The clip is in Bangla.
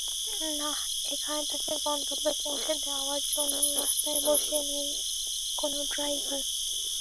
নাহ এখানে তাকে গন্তব্যে পৌঁছে দেওয়ার জন্য রাস্তায় বসে নেই কোনো ড্রাইভার।